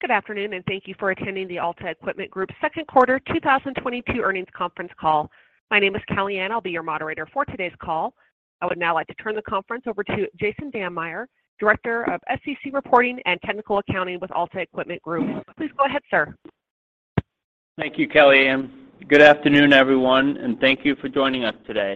Good afternoon, and thank you for attending the Alta Equipment Group Second Quarter 2022 earnings conference call. My name is Kelly Ann. I'll be your moderator for today’s call. I would now like to turn the conference over to Jason Dammeyer, Director of SEC Reporting and Technical Accounting with Alta Equipment Group. Please go ahead, sir. Thank you, Kelly Ann. Good afternoon, everyone, and thank you for joining us today.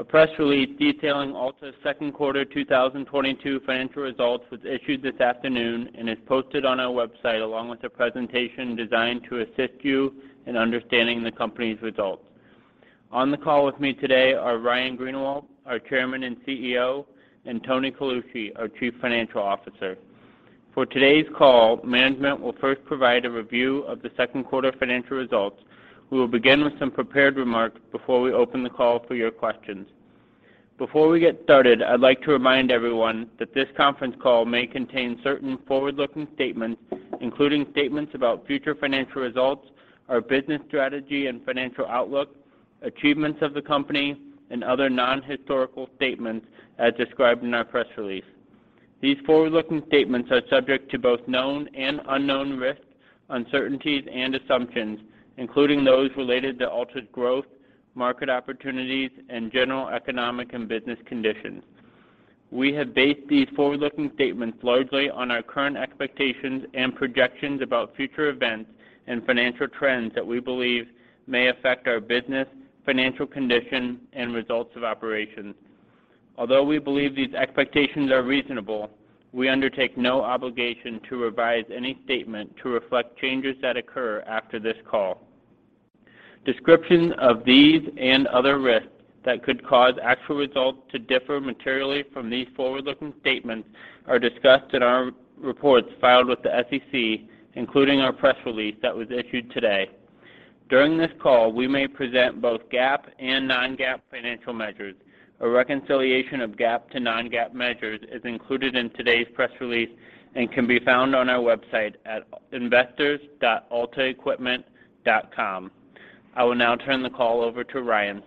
A press release detailing Alta's Second Quarter 2022 financial results was issued this afternoon and is posted on our website, along with a presentation designed to assist you in understanding the company’s results. On the call with me today are Ryan Greenawalt, our Chairman and CEO, and Tony Colucci, our Chief Financial Officer. For today’s call, management will first provide a review of the second quarter financial results. We will begin with some prepared remarks before we open the call for your questions. Before we get started, I'd like to remind everyone that this conference call may contain certain forward-looking statements, including statements about future financial results, our business strategy and financial outlook, achievements of the company, and other non-historical statements as described in our press release. These forward-looking statements are subject to both known and unknown risks, uncertainties and assumptions, including those related to Alta's growth, market opportunities, and general economic and business conditions. We have based these forward-looking statements largely on our current expectations and projections about future events and financial trends that we believe may affect our business, financial condition, and results of operations. Although we believe these expectations are reasonable, we undertake no obligation to revise any statement to reflect changes that occur after this call. Descriptions of these and other risks that could cause actual results to differ materially from these forward-looking statements are discussed in our reports filed with the SEC, including our press release that was issued today. During this call, we may present both GAAP and non-GAAP financial measures. A reconciliation of GAAP to non-GAAP measures is included in today’s press release and can be found on our website at investors.altaequipment.com. I will now turn the call over to Ryan.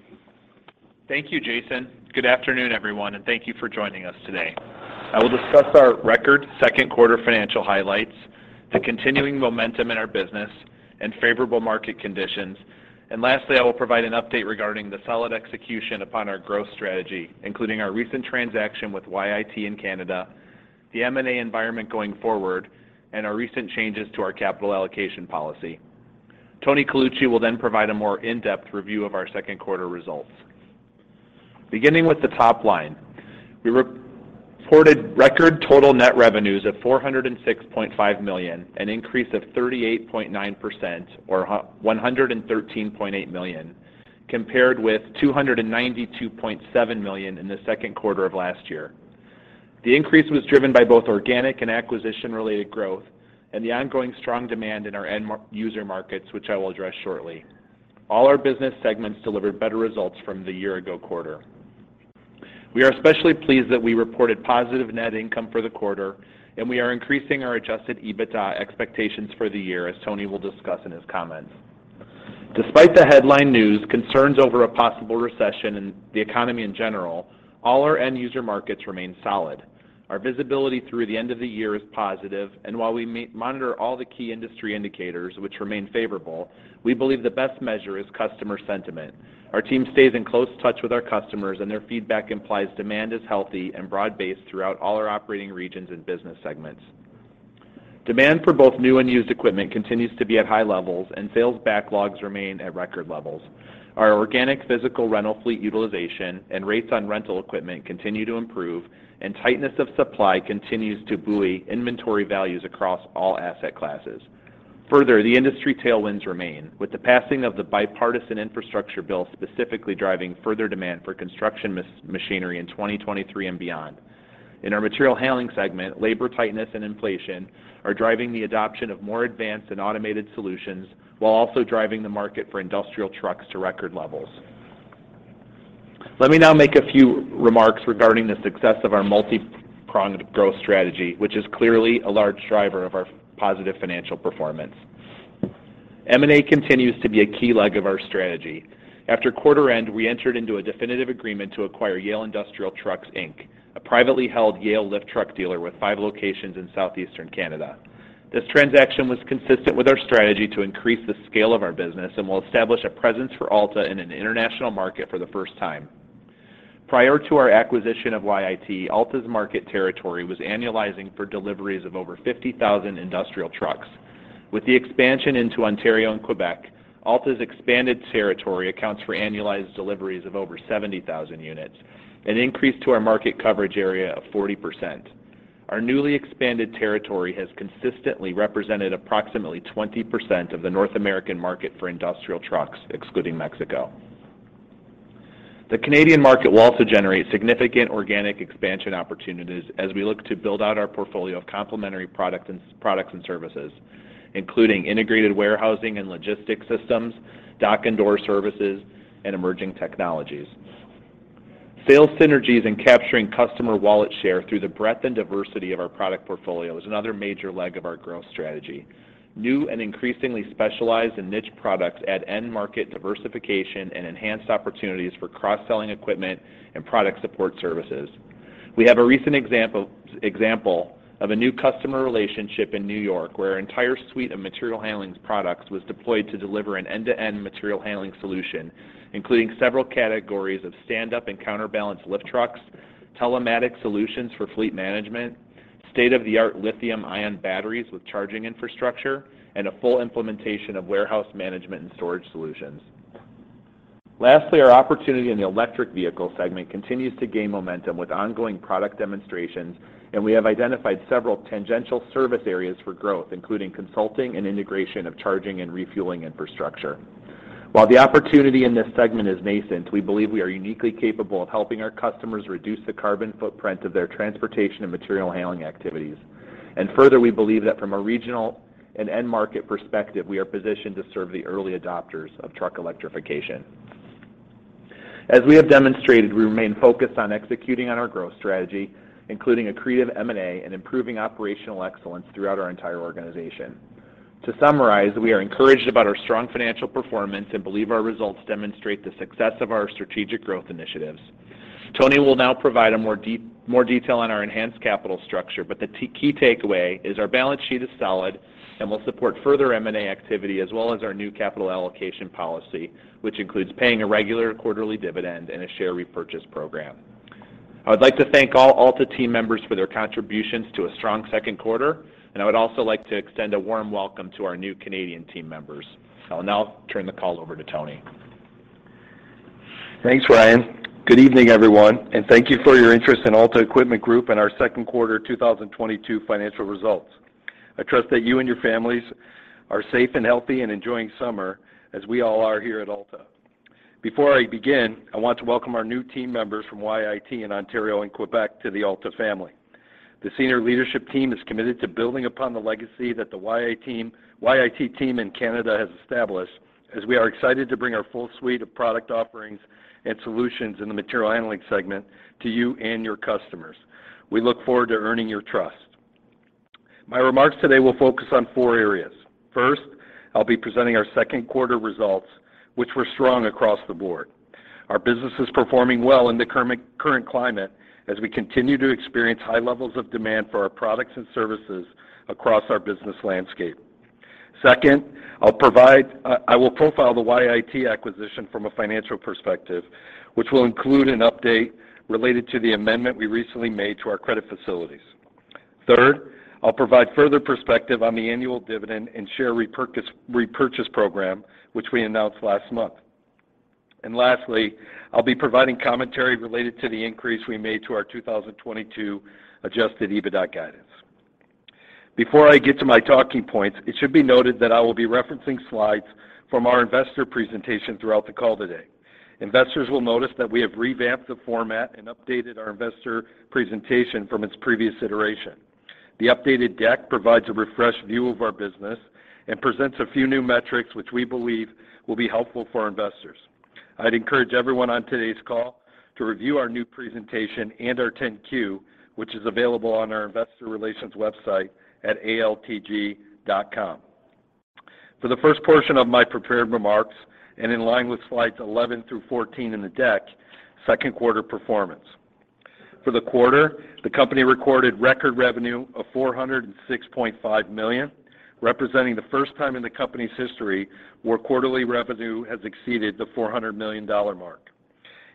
Thank you, Jason. Good afternoon, everyone, and thank you for joining us today. I will discuss our record second quarter financial highlights, the continuing momentum in our business and favorable market conditions. Lastly, I will provide an update regarding the solid execution upon our growth strategy, including our recent transaction with YIT in Canada, the M&A environment going forward, and our recent changes to our capital allocation policy. Tony Colucci will then provide a more in-depth review of our second quarter results. Beginning with the top-line, we reported record total net revenues of $406.5 million, an increase of 38.9% or $113.8 million, compared with $292.7 million in the second quarter of last year. The increase was driven by both organic and acquisition-related growth and the ongoing strong demand in our end-user markets, which I will address shortly. All our business segments delivered better results from the year-ago quarter. We are especially pleased that we reported positive net income for the quarter, and we are increasing our Adjusted EBITDA expectations for the year, as Tony will discuss in his comments. Despite the headline news, concerns over a possible recession and the economy in general, all our end-user markets remain solid. Our visibility through the end of the year is positive, and while we monitor all the key industry indicators, which remain favorable, we believe the best measure is customer sentiment. Our team stays in close touch with our customers and their feedback implies demand is healthy and broad-based throughout all our operating regions and business segments. Demand for both new and used equipment continues to be at high levels and sales backlogs remain at record levels. Our organic physical rental fleet utilization and rates on rental equipment continue to improve and tightness of supply continues to buoy inventory values across all asset classes. Further, the industry tailwinds remain, with the passing of the bipartisan infrastructure bill specifically driving further demand for construction machinery in 2023 and beyond. In our material handling segment, labor tightness and inflation are driving the adoption of more advanced and automated solutions while also driving the market for industrial trucks to record levels. Let me now make a few remarks regarding the success of our multi-pronged growth strategy, which is clearly a large driver of our positive financial performance. M&A continues to be a key leg of our strategy. After quarter end, we entered into a definitive agreement to acquire Yale Industrial Trucks, Inc., a privately held Yale lift truck dealer with five locations in southeastern Canada. This transaction was consistent with our strategy to increase the scale of our business and will establish a presence for Alta in an international market for the first time. Prior to our acquisition of YIT, Alta’s market territory was annualizing for deliveries of over 50,000 industrial trucks. With the expansion into Ontario and Quebec, Alta's expanded territory accounts for annualized deliveries of over 70,000 units, an increase to our market coverage area of 40%. Our newly expanded territory has consistently represented approximately 20% of the North American market for industrial trucks, excluding Mexico. The Canadian market will also generate significant organic expansion opportunities as we look to build out our portfolio of complementary products and services, including integrated warehousing and logistics systems, dock and door services, and emerging technologies. Sales synergies and capturing customer wallet share through the breadth and diversity of our product portfolio is another major leg of our growth strategy. New and increasingly specialized and niche products add end-market diversification and enhanced opportunities for cross-selling equipment and product support services. We have a recent example of a new customer relationship in New York, where our entire suite of material handling products was deployed to deliver an end-to-end material handling solution, including several categories of stand-up and counterbalance lift trucks, telematics solutions for fleet management, state-of-the-art lithium-ion batteries with charging infrastructure, and a full implementation of warehouse management and storage solutions. Lastly, our opportunity in the electric vehicle segment continues to gain momentum with ongoing product demonstrations, and we have identified several tangential service areas for growth, including consulting and integration of charging and refueling infrastructure. While the opportunity in this segment is nascent, we believe we are uniquely capable of helping our customers reduce the carbon footprint of their transportation and material handling activities. Further, we believe that from a regional and end-market perspective, we are positioned to serve the early adopters of truck electrification. As we have demonstrated, we remain focused on executing on our growth strategy, including accretive M&A and improving operational excellence throughout our entire organization. To summarize, we are encouraged about our strong financial performance and believe our results demonstrate the success of our strategic growth initiatives. Tony will now provide more detail on our enhanced capital structure, but the key takeaway is our balance sheet is solid and will support further M&A activity as well as our new capital allocation policy, which includes paying a regular quarterly dividend and a share repurchase program. I would like to thank all Alta team members for their contributions to a strong second quarter, and I would also like to extend a warm welcome to our new Canadian team members. I will now turn the call over to Tony. Thanks, Ryan. Good evening, everyone, and thank you for your interest in Alta Equipment Group and our Second Quarter 2022 financial results. I trust that you and your families are safe and healthy and enjoying summer, as we all are here at Alta. Before I begin, I want to welcome our new team members from YIT in Ontario and Quebec to the Alta family. The senior leadership team is committed to building upon the legacy that the YIT team in Canada has established, as we are excited to bring our full suite of product offerings and solutions in the material handling segment to you and your customers. We look forward to earning your trust. My remarks today will focus on four areas. First, I'll be presenting our second quarter results, which were strong across the board. Our business is performing well in the current climate as we continue to experience high levels of demand for our products and services across our business landscape. Second, I will profile the YIT acquisition from a financial perspective, which will include an update related to the amendment we recently made to our credit facilities. Third, I'll provide further perspective on the annual dividend and share repurchase program, which we announced last month. Lastly, I'll be providing commentary related to the increase we made to our 2022 Adjusted EBITDA guidance. Before I get to my talking points, it should be noted that I will be referencing slides from our investor presentation throughout the call today. Investors will notice that we have revamped the format and updated our investor presentation from its previous iteration. The updated deck provides a refreshed view of our business and presents a few new metrics which we believe will be helpful for our investors. I'd encourage everyone on today’s call to review our new presentation and our 10-Q, which is available on our investor relations website at investors.altaequipment.com. For the first portion of my prepared remarks, in line with slides 11 through 14 in the deck, second quarter performance. For the quarter, the company recorded record revenue of $406.5 million, representing the first time in the company's history where quarterly revenue has exceeded the $400 million mark.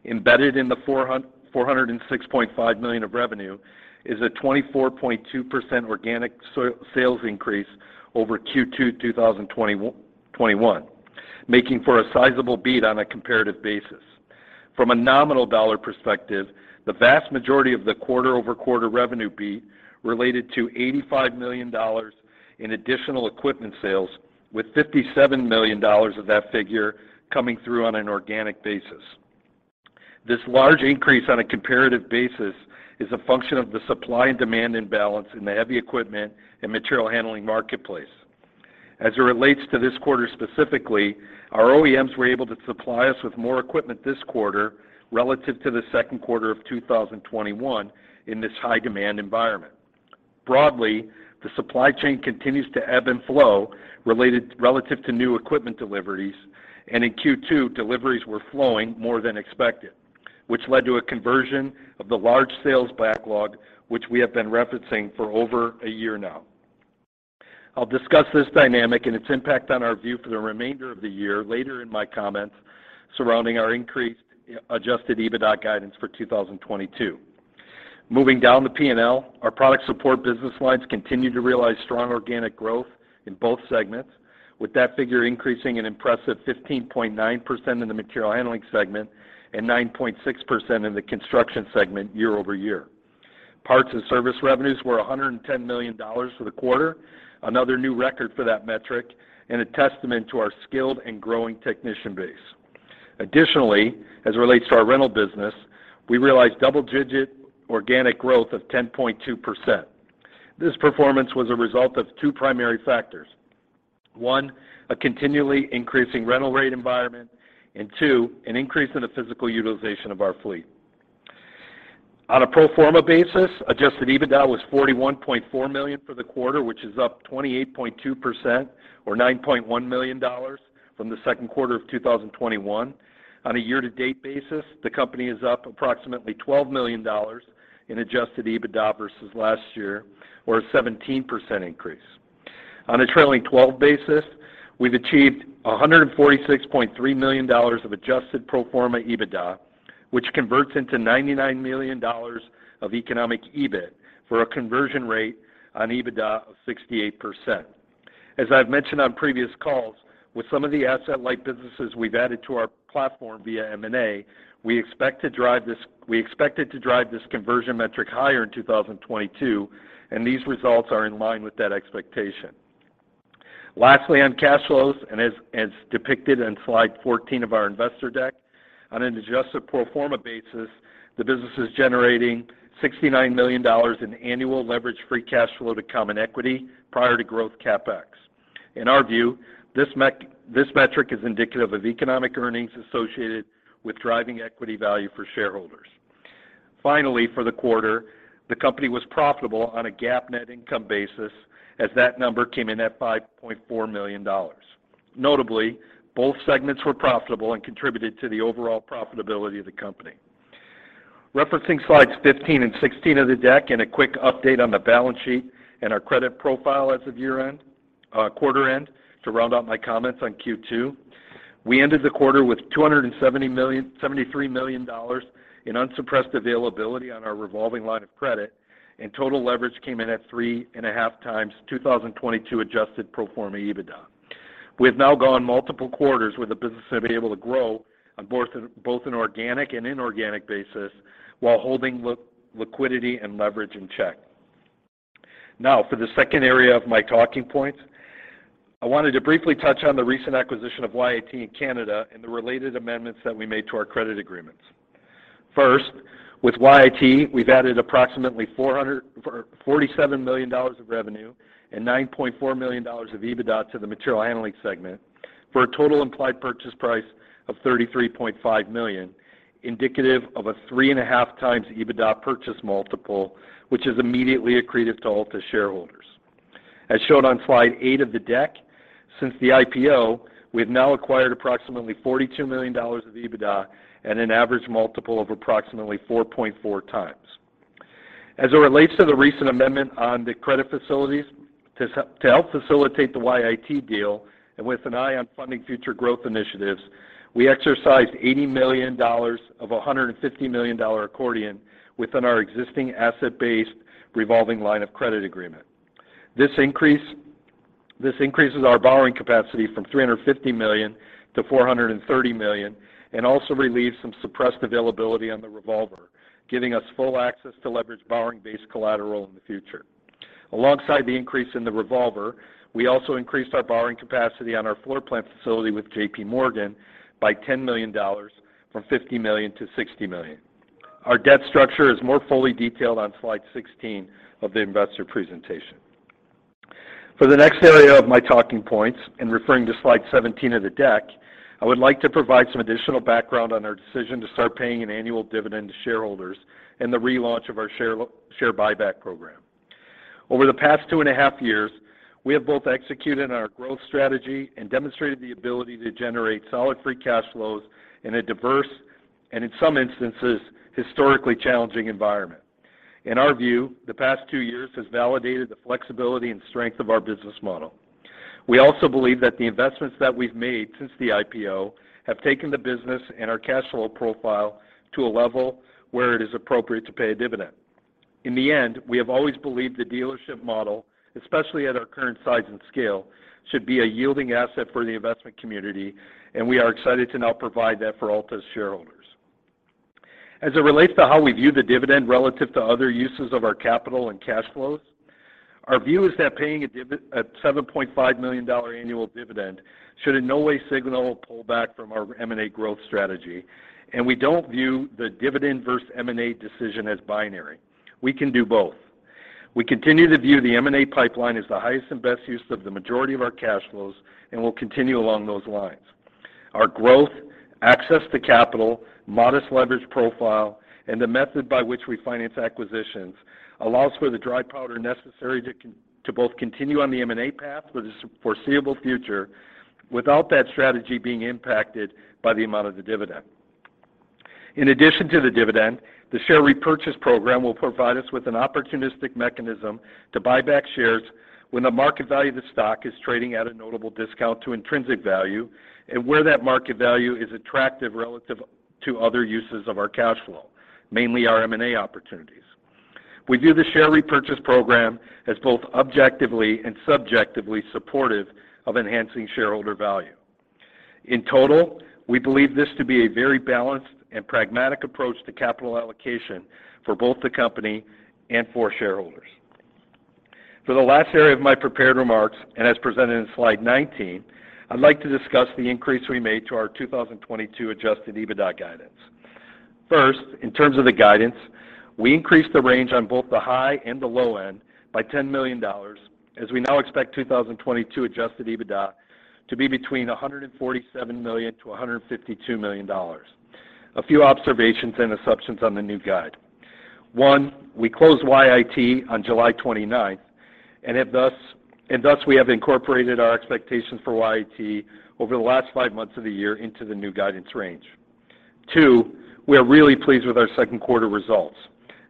Embedded in the $406.5 million of revenue is a 24.2% organic sales increase over Q2 2021, making for a sizable beat on a comparative basis. From a nominal dollar perspective, the vast majority of the quarter-over-quarter revenue beat related to $85 million in additional equipment sales, with $57 million of that figure coming through on an organic basis. This large increase on a comparative basis is a function of the supply and demand imbalance in the heavy equipment and material handling marketplace. As it relates to this quarter specifically, our OEMs were able to supply us with more equipment this quarter relative to the second quarter of 2021 in this high demand environment. Broadly, the supply chain continues to ebb and flow relative to new equipment deliveries, and in Q2, deliveries were flowing more than expected, which led to a conversion of the large sales backlog, which we have been referencing for over a year now. I'll discuss this dynamic and its impact on our view for the remainder of the year later in my comments surrounding our increased Adjusted EBITDA guidance for 2022. Moving down the P&L, our product support business lines continued to realize strong organic growth in both segments, with that figure increasing an impressive 15.9% in the material handling segment and 9.6% in the construction segment year-over-year. Parts and service revenues were $110 million for the quarter, another new record for that metric and a testament to our skilled and growing technician base. Additionally, as it relates to our rental business, we realized double-digit organic growth of 10.2%. This performance was a result of two primary factors. One, a continually increasing rental rate environment, and two, an increase in the physical utilization of our fleet. On a pro forma basis, Adjusted EBITDA was $41.4 million for the quarter, which is up 28.2% or $9.1 million from the second quarter of 2021. On a year-to-date basis, the company is up approximately $12 million in Adjusted EBITDA versus last year or a 17% increase. On a trailing twelve basis, we've achieved $146.3 million of adjusted pro forma EBITDA, which converts into $99 million of Economic EBIT for a conversion rate on EBITDA of 68%. As I've mentioned on previous calls, with some of the asset-light businesses we've added to our platform via M&A, we expect it to drive this conversion metric higher in 2022, and these results are in line with that expectation. Lastly, on cash flows, as depicted in Slide 14 of our investor deck, on an adjusted pro forma basis, the business is generating $69 million in annual leverage free cash flow to common equity prior to growth CapEx. In our view, this metric is indicative of economic earnings associated with driving equity value for shareholders. Finally, for the quarter, the company was profitable on a GAAP net income basis, as that number came in at $5.4 million. Notably, both segments were profitable and contributed to the overall profitability of the company. Referencing slides 15 and 16 of the deck and a quick update on the balance sheet and our credit profile as of year-end, quarter-end to round out my comments on Q2. We ended the quarter with $73 million in unused availability on our revolving line of credit, and total leverage came in at 3.5x 2022 adjusted pro forma EBITDA. We've now gone multiple quarters where the business have been able to grow on both an organic and inorganic basis while holding liquidity and leverage in check. Now, for the second area of my talking points, I wanted to briefly touch on the recent acquisition of YIT in Canada and the related amendments that we made to our credit agreements. First, with YIT, we've added approximately $447 million of revenue and $9.4 million of EBITDA to the material handling segment for a total implied purchase price of $33.5 million, indicative of a 3.5x EBITDA purchase multiple, which is immediately accretive to all the shareholders. As shown on slide 8 of the deck, since the IPO, we have now acquired approximately $42 million of EBITDA and an average multiple of approximately 4.4x. As it relates to the recent amendment on the credit facilities, to help facilitate the YIT deal and with an eye on funding future growth initiatives, we exercised $80 million of a $150 million accordion within our existing asset-based revolving line of credit agreement. This increases our borrowing capacity from $350 million to $430 million and also relieves some suppressed availability on the revolver, giving us full access to leverage borrowing-based collateral in the future. Alongside the increase in the revolver, we also increased our borrowing capacity on our floor plan facility with JPMorgan by $10 million from $50 million to $60 million. Our debt structure is more fully detailed on Slide 16 of the investor presentation. For the next area of my talking points, and referring to Slide 17 of the deck, I would like to provide some additional background on our decision to start paying an annual dividend to shareholders and the relaunch of our share buyback program. Over the past two and a half years, we have both executed on our growth strategy and demonstrated the ability to generate solid free cash flows in a diverse and, in some instances, historically challenging environment. In our view, the past two years has validated the flexibility and strength of our business model. We also believe that the investments that we've made since the IPO have taken the business and our cash flow profile to a level where it is appropriate to pay a dividend. In the end, we have always believed the dealership model, especially at our current size and scale, should be a yielding asset for the investment community, and we are excited to now provide that for all those shareholders. As it relates to how we view the dividend relative to other uses of our capital and cash flows, our view is that paying a $7.5 million annual dividend should in no way signal a pullback from our M&A growth strategy, and we don't view the dividend versus M&A decision as binary. We can do both. We continue to view the M&A pipeline as the highest and best use of the majority of our cash flows and will continue along those lines. Our growth, access to capital, modest leverage profile, and the method by which we finance acquisitions allows for the dry powder necessary to both continue on the M&A path for the foreseeable future without that strategy being impacted by the amount of the dividend. In addition to the dividend, the share repurchase program will provide us with an opportunistic mechanism to buy back shares when the market value of the stock is trading at a notable discount to intrinsic value and where that market value is attractive relative to other uses of our cash flow, mainly our M&A opportunities. We view the share repurchase program as both objectively and subjectively supportive of enhancing shareholder value. In total, we believe this to be a very balanced and pragmatic approach to capital allocation for both the company and for shareholders. For the last area of my prepared remarks, and as presented in Slide 19, I'd like to discuss the increase we made to our 2022 Adjusted EBITDA guidance. First, in terms of the guidance, we increased the range on both the high and the low end by $10 million, as we now expect 2022 Adjusted EBITDA to be between $147 million–$152 million. A few observations and assumptions on the new guide. One, we closed YIT on July 29 and thus we have incorporated our expectations for YIT over the last five months of the year into the new guidance range. Two, we are really pleased with our second quarter results,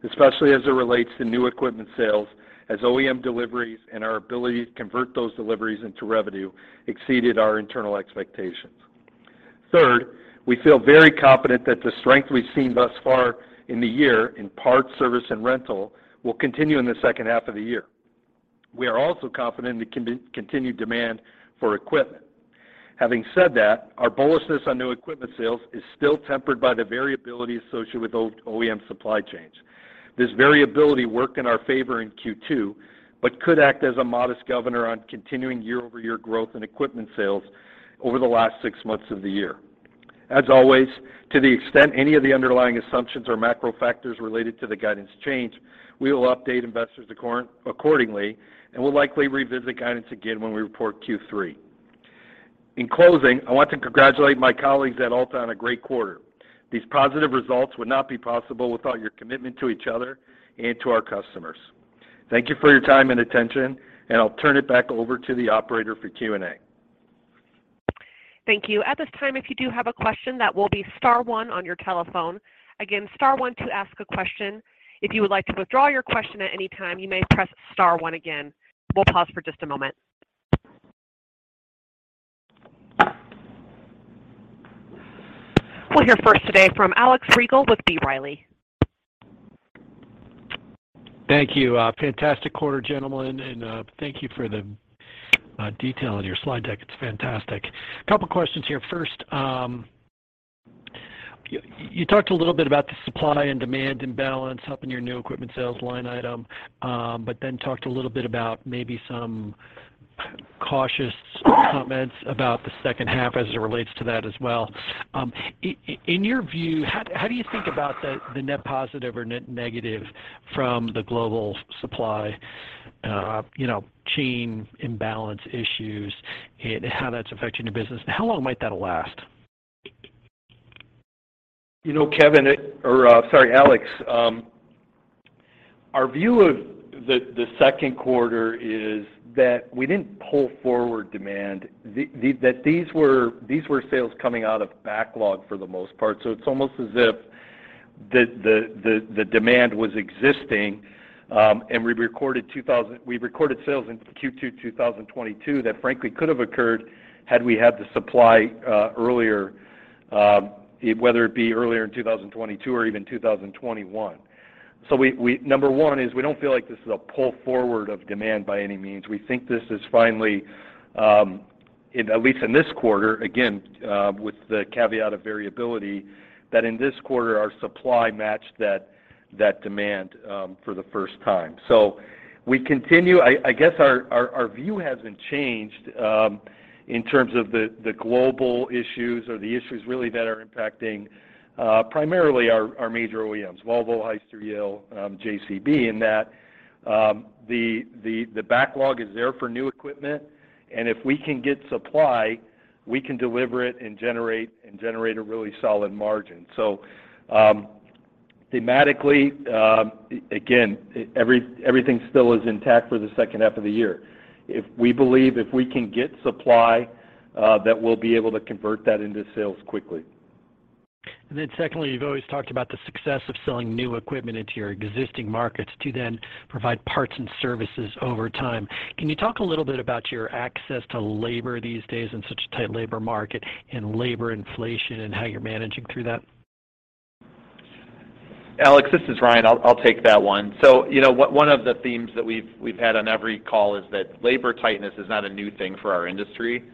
especially as it relates to new equipment sales as OEM deliveries and our ability to convert those deliveries into revenue exceeded our internal expectations. Third, we feel very confident that the strength we've seen thus far in the year in parts, service, and rental will continue in the second half of the year. We are also confident in the continued demand for equipment. Having said that, our bullishness on new equipment sales is still tempered by the variability associated with OEM supply chains. This variability worked in our favor in Q2, but could act as a modest governor on continuing year-over-year growth in equipment sales over the last six months of the year. As always, to the extent any of the underlying assumptions or macro factors related to the guidance change, we will update investors accordingly and will likely revisit guidance again when we report Q3. In closing, I want to congratulate my colleagues at Alta on a great quarter. These positive results would not be possible without your commitment to each other and to our customers. Thank you for your time and attention, and I'll turn it back over to the operator for Q&A. Thank you. At this time, if you do have a question, that will be star one on your telephone. Again, star one to ask a question. If you would like to withdraw your question at any time, you may press star one again. We'll pause for just a moment. We'll hear first today from Alex Rygiel with B. Riley. Thank you. A fantastic quarter, gentlemen, and thank you for the detail on your slide deck. It's fantastic. A couple questions here. First, you talked a little bit about the supply and demand imbalance helping your new equipment sales line item, but then talked a little bit about maybe some cautious comments about the second half as it relates to that as well. In your view, how do you think about the net positive or negative from the global supply, you know, chain imbalance issues and how that's affecting your business? And how long might that last? You know, Kevin, sorry, Alex, our view of the second quarter is that we didn't pull forward demand. That these were sales coming out of backlog for the most part. It's almost as if the demand was existing, and we recorded sales in Q2 2022 that frankly could have occurred had we had the supply earlier, whether it be earlier in 2022 or even 2021. Number one is we don't feel like this is a pull forward of demand by any means. We think this is finally at least in this quarter, again, with the caveat of variability, that in this quarter, our supply matched that demand for the first time. I guess our view hasn't changed, in terms of the global issues or the issues really that are impacting primarily our major OEMs, Volvo, Hyster-Yale, JCB, in that the backlog is there for new equipment, and if we can get supply, we can deliver it and generate a really solid margin. Thematically, everything still is intact for the second half of the year. We believe if we can get supply, that we'll be able to convert that into sales quickly. Secondly, you've always talked about the success of selling new equipment into your existing markets to then provide parts and services over time. Can you talk a little bit about your access to labor these days in such a tight labor market and labor inflation and how you're managing through that? Alex, this is Ryan. I'll take that one. You know, one of the themes that we've had on every call is that labor tightness is not a new thing for our industry.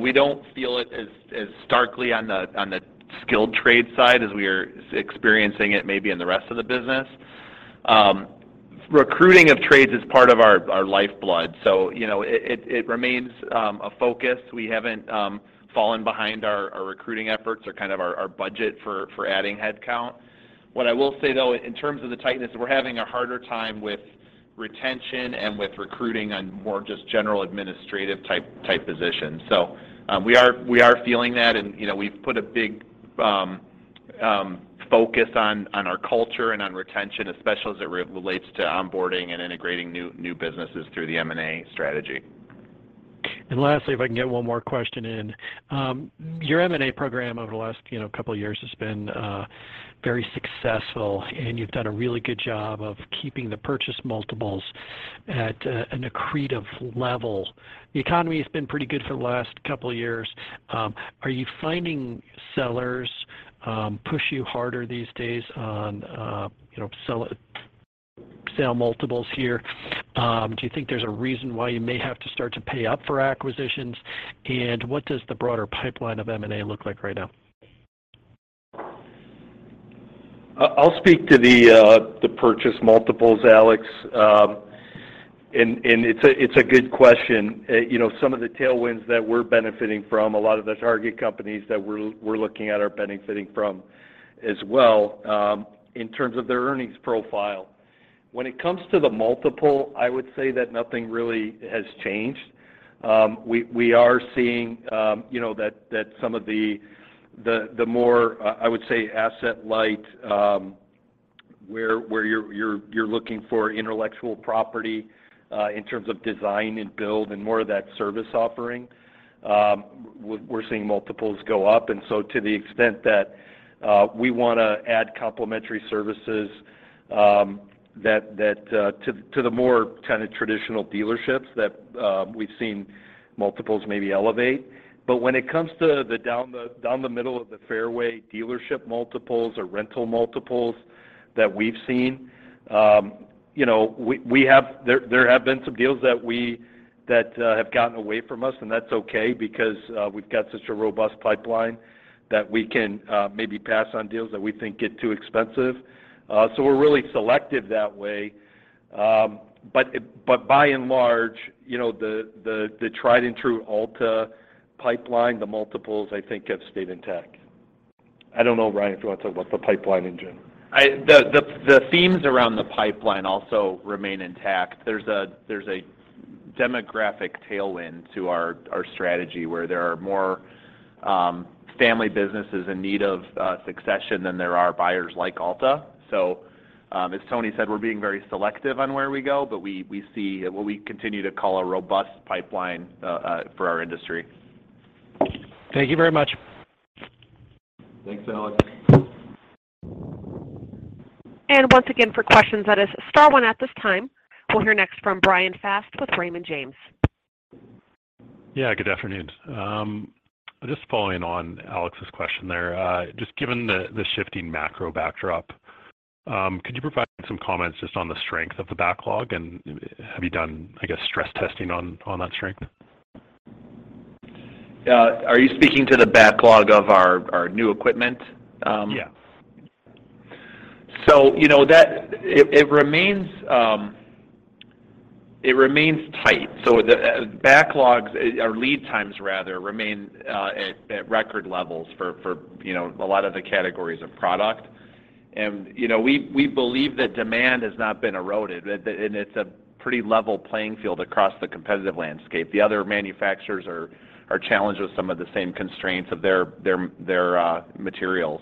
We don't feel it as starkly on the skilled trade side as we are experiencing it maybe in the rest of the business. Recruiting of trades is part of our lifeblood, so you know, it remains a focus. We haven't fallen behind our recruiting efforts or kind of our budget for adding headcount. What I will say, though, in terms of the tightness, we're having a harder time with retention and with recruiting on more just general administrative type positions. We are feeling that and, you know, we've put a big focus on our culture and on retention, especially as it relates to onboarding and integrating new businesses through the M&A strategy. Lastly, if I can get one more question in. Your M&A program over the last, you know, couple years has been very successful, and you've done a really good job of keeping the purchase multiples at an accretive level. The economy has been pretty good for the last couple years. Are you finding sellers push you harder these days on, you know, sell multiples here? Do you think there's a reason why you may have to start to pay up for acquisitions? What does the broader pipeline of M&A look like right now? I'll speak to the purchase multiples, Alex. It's a good question. You know, some of the tailwinds that we're benefiting from, a lot of the target companies that we're looking at are benefiting from as well, in terms of their earnings profile. When it comes to the multiple, I would say that nothing really has changed. We are seeing, you know, that some of the more, I would say asset-light, where you're looking for intellectual property, in terms of design and build and more of that service offering, we're seeing multiples go up. To the extent that we want to add complementary services, that to the more kind of traditional dealerships that we've seen multiples maybe elevate. When it comes to down the middle of the fairway dealership multiples or rental multiples that we've seen, you know, there have been some deals that have gotten away from us, and that's okay because we've got such a robust pipeline that we can maybe pass on deals that we think get too expensive. We're really selective that way. By and large, you know, the tried and true Alta pipeline, the multiples I think have stayed intact. I don't know, Ryan, if you want to talk about the pipeline in general. The themes around the pipeline also remain intact. There's a demographic tailwind to our strategy where there are more family businesses in need of succession than there are buyers like Alta. As Tony said, we're being very selective on where we go, but we see what we continue to call a robust pipeline for our industry. Thank you very much. Thanks, Alex. Once again, for questions, that is star one at this time. We'll hear next from Bryan Fast with Raymond James. Yeah, good afternoon. Just following on Alex Rygiel's question there. Just given the shifting macro backdrop, could you provide some comments just on the strength of the backlog? Have you done, I guess, stress testing on that strength? Are you speaking to the backlog of our new equipment? Yes. You know that it remains tight. The backlogs or lead times, rather, remain at record levels for, you know, a lot of the categories of product. We believe that demand has not been eroded. It's a pretty level playing field across the competitive landscape. The other manufacturers are challenged with some of the same constraints of their materials.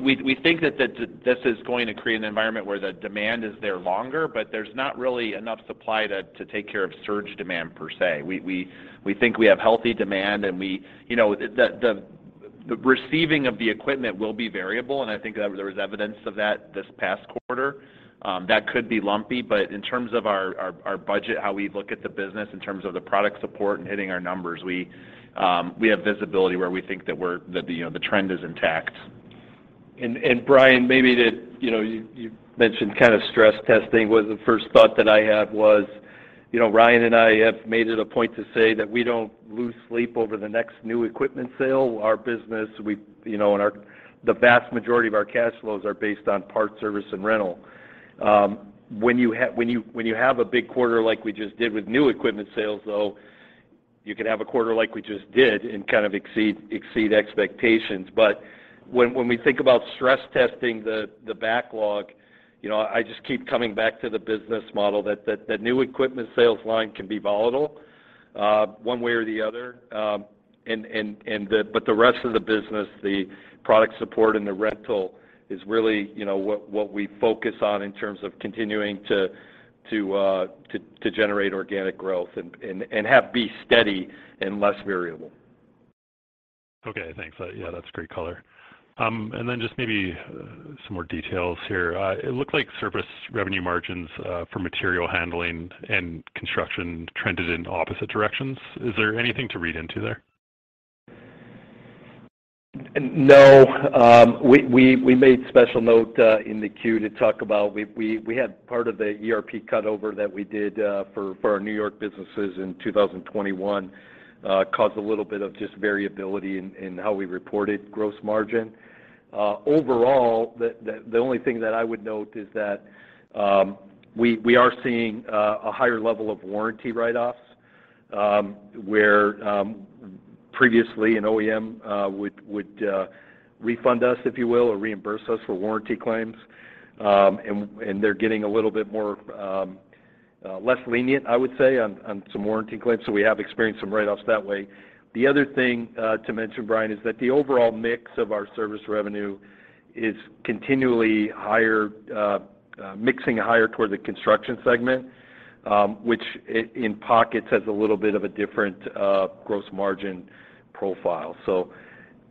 We think that this is going to create an environment where the demand is there longer, but there's not really enough supply to take care of surge demand per se. We think we have healthy demand and we. You know, the receiving of the equipment will be variable, and I think there was evidence of that this past quarter, that could be lumpy. In terms of our budget, how we look at the business in terms of the product support and hitting our numbers, we have visibility where we think that, you know, the trend is intact. Bryan, maybe you know, you mentioned kind of stress testing was the first thought that I had, you know, Ryan and I have made it a point to say that we don't lose sleep over the next new equipment sale. Our business, you know, the vast majority of our cash flows are based on parts, service, and rental. When you have a big quarter like we just did with new equipment sales, though, you can have a quarter like we just did and kind of exceed expectations. When we think about stress testing the backlog, you know, I just keep coming back to the business model that new equipment sales line can be volatile one way or the other. The rest of the business, the product support and the rental is really, you know, what we focus on in terms of continuing to generate organic growth and have be steady and less variable. Okay, thanks. Yeah, that's great color. Just maybe some more details here. It looked like service revenue margins for material handling and construction trended in opposite directions. Is there anything to read into there? No. We made special note in the queue to talk about. We had part of the ERP cutover that we did for our New York businesses in 2021 caused a little bit of just variability in how we reported gross margin. Overall, the only thing that I would note is that we are seeing a higher level of warranty write-offs where previously an OEM would refund us, if you will, or reimburse us for warranty claims. They're getting a little bit more less lenient, I would say, on some warranty claims. We have experienced some write-offs that way. The other thing to mention, Bryan, is that the overall mix of our service revenue is continually higher, mixing higher toward the construction segment, which in pockets has a little bit of a different gross margin profile. So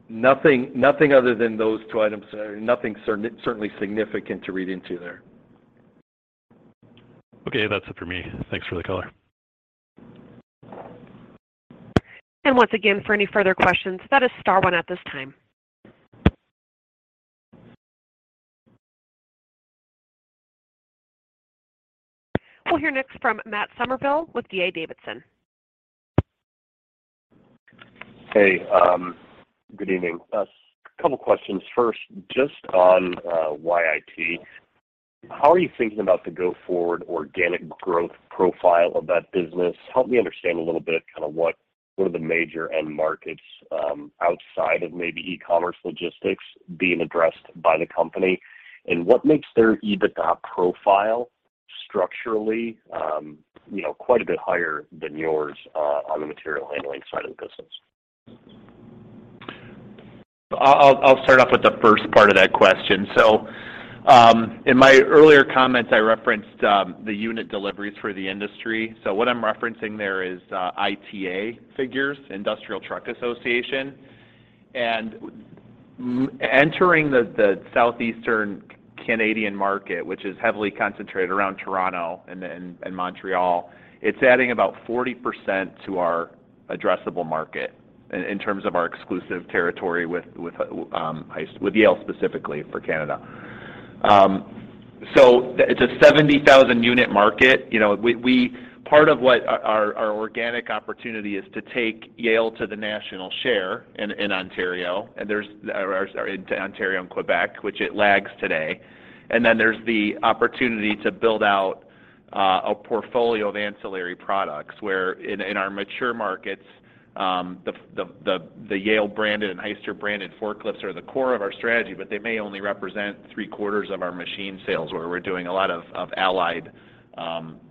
nothing other than those two items. Nothing certainly significant to read into there. Okay. That's it for me. Thanks for the color. Once again, for any further questions, that is star one at this time. We'll hear next from Matt Summerville with D.A. Davidson. Hey, good evening. A couple questions. First, just on YIT. How are you thinking about the go forward organic growth profile of that business? Help me understand a little bit kind of what are the major end-markets outside of maybe e-commerce logistics being addressed by the company? And what makes their EBITDA profile structurally you know quite a bit higher than yours on the material handling side of the business? I'll start off with the first part of that question. In my earlier comments, I referenced the unit deliveries for the industry. What I'm referencing there is ITA figures, Industrial Truck Association. Entering the southeastern Canadian market, which is heavily concentrated around Toronto and Montreal, it's adding about 40% to our addressable market in terms of our exclusive territory with Yale specifically for Canada. It's a 70,000-unit market. Part of what our organic opportunity is to take Yale to the national share in Ontario and Quebec, which it lags today. Then there's the opportunity to build out a portfolio of ancillary products, where in our mature markets, the Yale branded and Hyster branded forklifts are the core of our strategy, but they may only represent three-quarters of our machine sales, where we're doing a lot of allied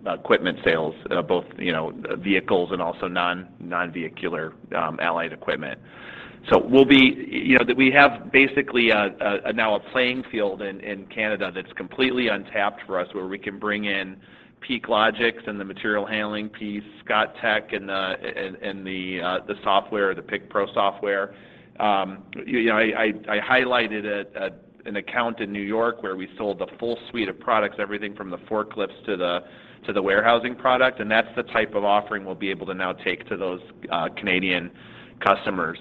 equipment sales, both you know vehicles and also non-vehicular allied equipment. We'll be you know that we have basically now a playing field in Canada that's completely untapped for us, where we can bring in PeakLogix and the material handling piece, ScottTech and the software, the PickPro software. You know, I highlighted an account in New York where we sold the full suite of products, everything from the forklifts to the warehousing product, and that's the type of offering we'll be able to now take to those Canadian customers.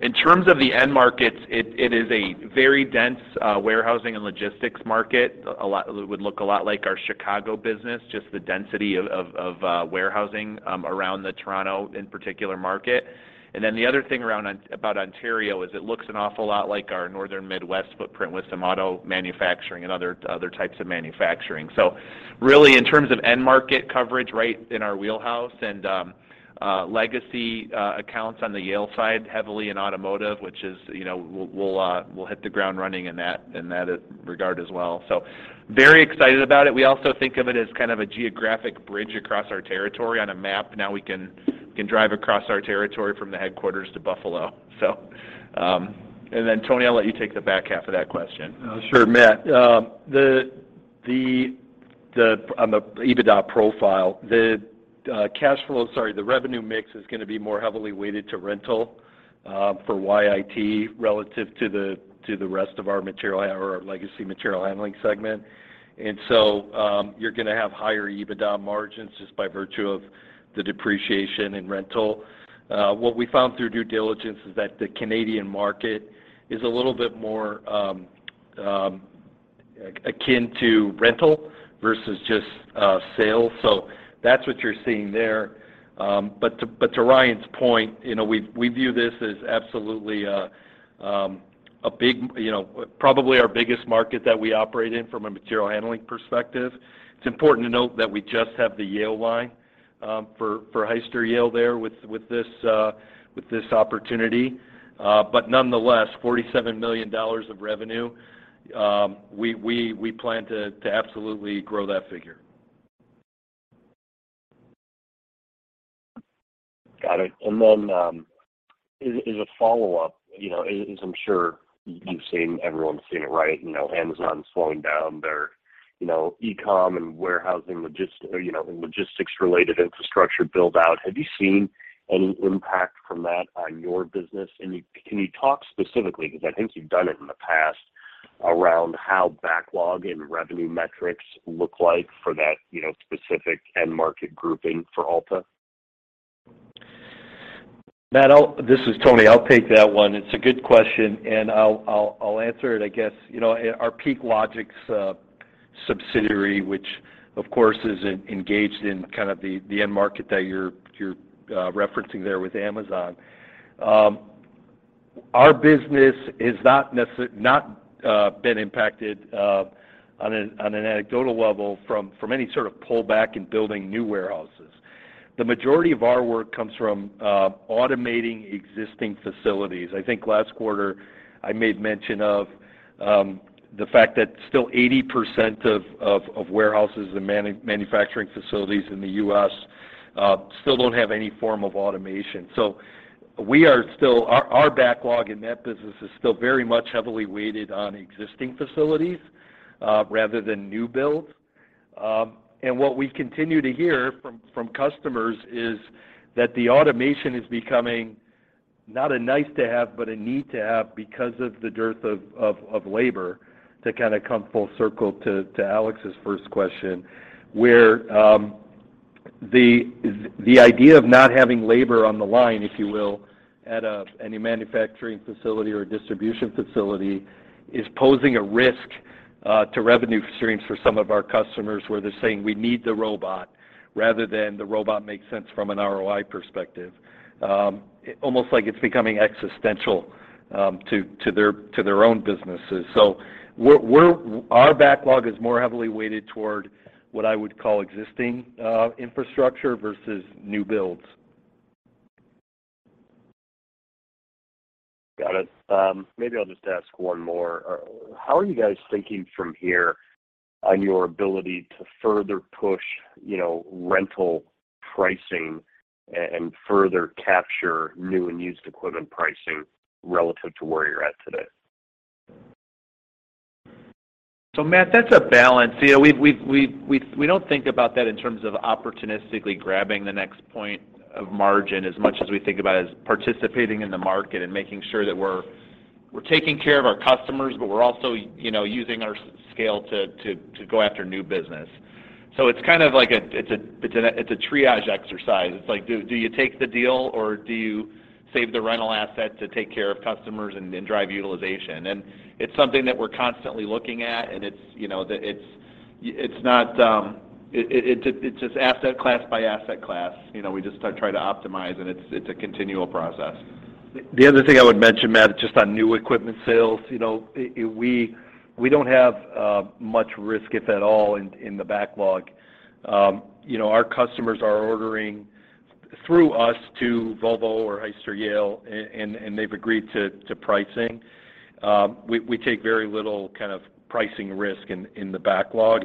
In terms of the end-markets, it is a very dense warehousing and logistics market. It would look a lot like our Chicago business, just the density of warehousing around the Toronto in particular market. The other thing about Ontario is it looks an awful lot like our northern Midwest footprint with some auto manufacturing and other types of manufacturing. Really in terms of end-market coverage right in our wheelhouse and legacy accounts on the Yale side heavily in automotive, which is, you know, we'll hit the ground running in that regard as well. Very excited about it. We also think of it as kind of a geographic bridge across our territory on a map. Now we can drive across our territory from the headquarters to Buffalo. Tony, I'll let you take the back half of that question. Sure, Matt. The revenue mix is going to be more heavily weighted to rental for YIT relative to the rest of our legacy material handling segment. You're going to have higher EBITDA margins just by virtue of the depreciation in rental. What we found through due diligence is that the Canadian market is a little bit more akin to rental versus just sales. That's what you're seeing there. But to Ryan’s point, you know, we view this as absolutely a big, you know, probably our biggest market that we operate in from a material handling perspective. It's important to note that we just have the Yale line for Hyster-Yale there with this opportunity. Nonetheless, $47 million of revenue we plan to absolutely grow that figure. Got it. As a follow-up, you know, as I'm sure you've seen, everyone's seen it, right? You know, Amazon slowing down their, you know, e-com and warehousing, logistics related infrastructure build out. Have you seen any impact from that on your business? Can you talk specifically, 'cause I think you've done it in the past, around how backlog and revenue metrics look like for that, you know, specific end-market grouping for Alta? Matt, this is Tony. I'll take that one. It's a good question, and I'll answer it, I guess. You know, our PeakLogix subsidiary, which of course is engaged in kind of the end-market that you're referencing there with Amazon, our business has not been impacted on an anecdotal level from any sort of pullback in building new warehouses. The majority of our work comes from automating existing facilities. I think last quarter I made mention of the fact that still 80% of warehouses and manufacturing facilities in the U.S. still don't have any form of automation. Our backlog in that business is still very much heavily weighted on existing facilities rather than new builds. What we continue to hear from customers is that the automation is becoming not a nice to have, but a need to have because of the dearth of labor, to kind of come full circle to Alex’s first question, where the idea of not having labor on the line, if you will, at any manufacturing facility or distribution facility is posing a risk to revenue streams for some of our customers, where they're saying, "We need the robot," rather than the robot makes sense from an ROI perspective. Almost like it's becoming existential to their own businesses. Our backlog is more heavily weighted toward what I would call existing infrastructure versus new builds. Got it. Maybe I'll just ask one more. How are you guys thinking from here on your ability to further push, you know, rental pricing and further capture new and used equipment pricing relative to where you're at today? Matt, that's a balance. You know, we don't think about that in terms of opportunistically grabbing the next point of margin as much as we think about participating in the market and making sure that we're taking care of our customers, but we're also, you know, using our scale to go after new business. It's kind of like a triage exercise. It's like, do you take the deal or do you save the rental asset to take care of customers and drive utilization? It's something that we're constantly looking at, and it's, you know, it's not. It's just asset class by asset class. You know, we just try to optimize and it's a continual process. The other thing I would mention, Matt, just on new equipment sales, you know, we don't have much risk, if at all, in the backlog. You know, our customers are ordering through us to Volvo or Hyster-Yale, and they've agreed to pricing. We take very little kind of pricing risk in the backlog.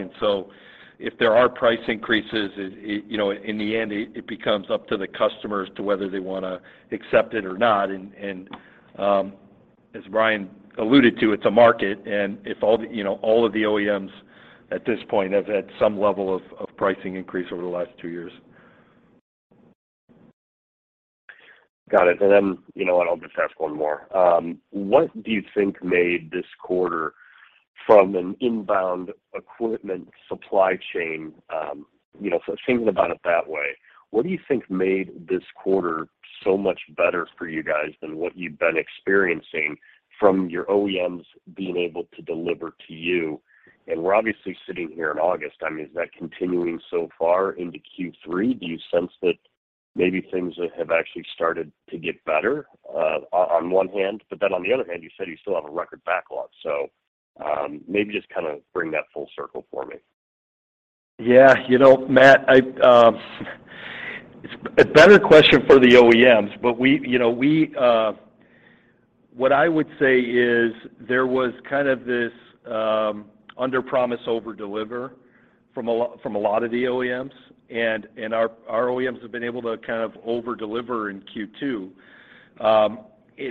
If there are price increases, you know, in the end, it becomes up to the customer as to whether they want to accept it or not. As Bryan alluded to, it's a market and if all the, you know, all of the OEMs at this point have had some level of pricing increase over the last two years. Got it. You know what, I'll just ask one more. What do you think made this quarter from an inbound equipment supply chain, you know, so thinking about it that way, what do you think made this quarter so much better for you guys than what you've been experiencing from your OEMs being able to deliver to you? We're obviously sitting here in August. I mean, is that continuing so far into Q3? Do you sense that maybe things have actually started to get better on one hand, but then on the other hand, you said you still have a record backlog. Maybe just kind of bring that full circle for me. Yeah. You know, Matt, it's a better question for the OEMs, but we, you know, what I would say is there was kind of this under-promise, over-deliver from a lot of the OEMs and our OEMs have been able to kind of overdeliver in Q2.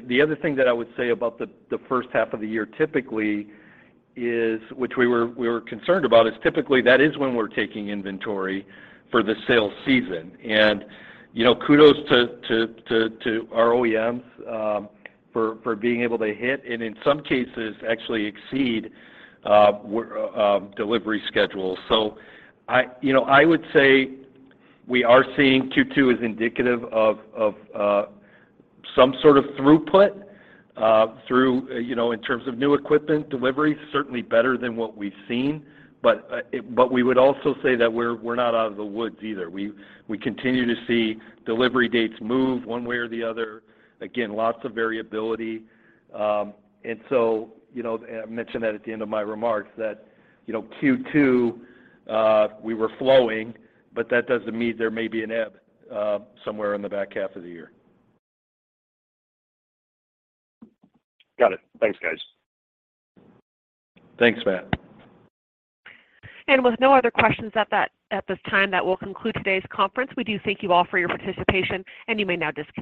The other thing that I would say about the first half of the year typically is, which we were concerned about, is typically that is when we're taking inventory for the sales season. You know, kudos to our OEMs for being able to hit and in some cases actually exceed delivery schedules. I, you know, I would say we are seeing Q2 as indicative of some sort of throughput through, you know, in terms of new equipment delivery, certainly better than what we've seen. But we would also say that we're not out of the woods either. We continue to see delivery dates move one way or the other. Again, lots of variability. You know, I mentioned that at the end of my remarks that, you know, Q2 we were flowing, but that doesn't mean there may be an ebb somewhere in the back half of the year. Got it. Thanks, guys. Thanks, Matt. With no other questions at that, at this time, that will conclude today’s conference. We do thank you all for your participation, and you may now disconnect.